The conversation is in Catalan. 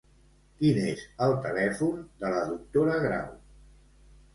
Quin és el telèfon de la doctora Grau?